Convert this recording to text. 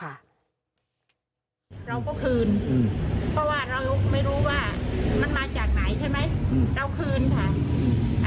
เราก็คืนเพราะว่าเราไม่รู้ว่ามันมาจากไหนใช่ไหมเราคืนค่ะ